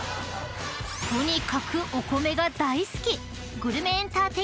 ［とにかくお米が大好き］